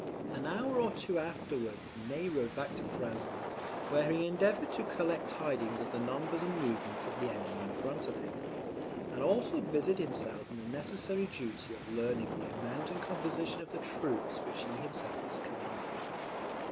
An hour or two afterwards Ney rode back to Frasne, where he endeavoured to collect tidings of the numbers and movements of the enemy in front of him; and also busied himself in the necessary duty of learning the amount and composition of the troops which he himself was commanding.